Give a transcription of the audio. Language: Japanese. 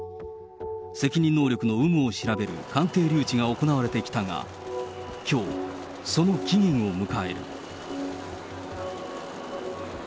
責任能力の有無を調べる鑑定留置が行われてきたが、きょう、その期限を迎える。